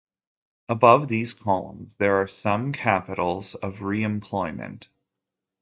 Above these columns there are some capitals of re-employment.